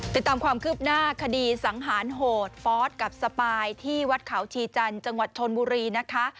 ติดตามความคืบหน้าคดีสังหารโหดฟอสกับสปายที่วัดเขาชีจันทร์จังหวัดชนบุรีนะคะ